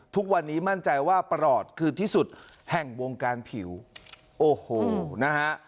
ทุกวันนี้มั่นใจว่าประหลอดคือที่สุดแห่งวงการผิวโอ้โหนะฮะ